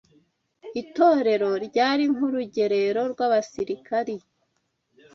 Itorero ryari nk’urugerero rw’abasirikari